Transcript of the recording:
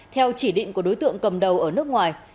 theo chỉ định của đối tượng cầm đầu ở nước ngoài